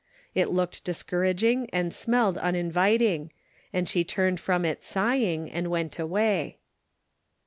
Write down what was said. It looked discouraging and smelled uninviting, and she turned from it sighing, and went away.